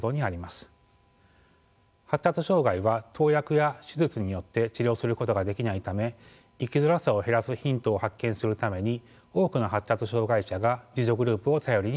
発達障害は投薬や手術によって治療することができないため生きづらさを減らすヒントを発見するために多くの発達障害者が自助グループを頼りにしています。